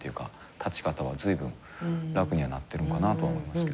立ち方はずいぶん楽にはなってるんかなとは思いますけどね。